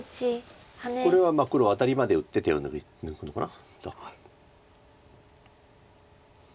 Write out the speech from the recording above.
これは黒アタリまで打って手を抜くのかな。